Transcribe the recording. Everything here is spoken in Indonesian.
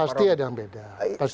pasti ada yang beda